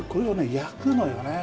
焼くのよね。